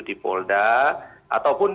di polda ataupun